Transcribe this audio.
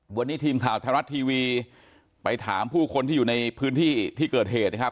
วันนี้ทีมข่าวไทยรัฐทีวีไปถามผู้คนที่อยู่ในพื้นที่ที่เกิดเหตุนะครับ